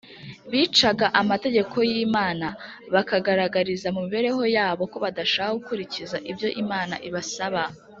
bicaga amategeko y’imana, bakagaragariza mu mibereho yabo ko badashaka gukurikiza ibyo imana ibasaba